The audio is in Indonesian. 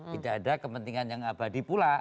tidak ada kepentingan yang abadi pula